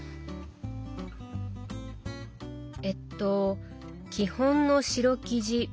えっと「基本の白生地ビゴリ用」？